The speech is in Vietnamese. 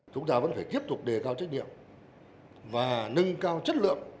chúng ta vẫn phải tiếp tục đề cao trách nhiệm và nâng cao chất lượng